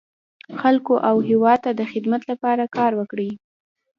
خلکو او هېواد ته د خدمت لپاره کار وکړي.